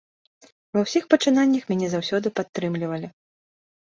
Ва ўсіх пачынаннях мяне заўсёды падтрымлівалі.